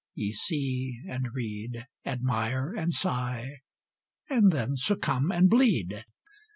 Ye see and read, Admire and sigh, and then succumb and bleed!